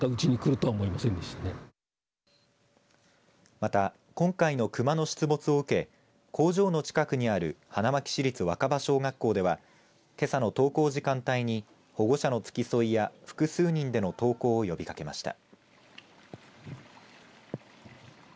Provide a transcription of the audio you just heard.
また、今回の熊の出没を受け工場の近くにある花巻市立若葉小学校ではけさの登校時間帯に保護者の付き添いや複数人での登校を呼びかけました。